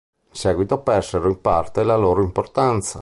In seguito persero in parte la loro importanza.